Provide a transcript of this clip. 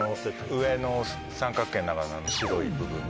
上の三角形の中の白い部分に。